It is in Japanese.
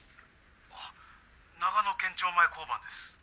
「あっ長野県庁前交番です」